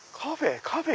カフェ？